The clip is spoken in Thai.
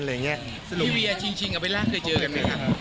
พี่เวียจริงกับเบลล่าเคยเจอกันไหมคะ